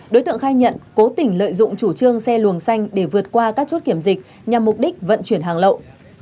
đối tượng khai nhận cố tình lợi dụng chủ trương xe luồng xanh để vượt qua các chốt kiểm dịch nhằm mục đích vận chuyển hàng lậu